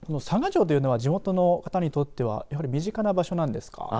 佐賀城というのは地元の方にとってはやはり身近な場所なんですか。